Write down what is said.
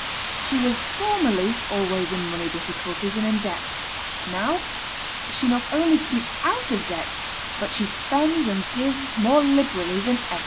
She was formerly always in money difficulties and in debt; now, she not only keeps out of debt, but she spends and gives more liberally than ever."